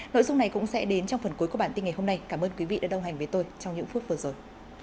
nội dung này cũng sẽ đến trong phần cuối của bản tin ngày hôm nay cảm ơn quý vị đã đồng hành với tôi trong những phút vừa rồi